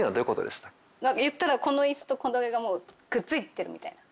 言ったらこのイスとこれがもうくっついてるみたいな。